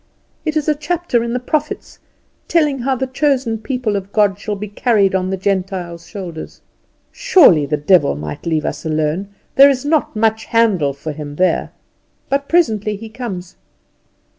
It is a chapter in the prophets, telling how the chosen people of God shall be carried on the Gentiles' shoulders. Surely the devil might leave us alone; there is not much to handle for him there. But presently he comes.